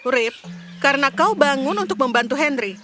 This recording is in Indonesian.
rip karena kau bangun untuk membantu henry